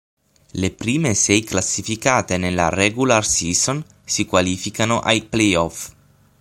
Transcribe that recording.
Le prime sei classificate nella "regular season" si qualificano ai playoff.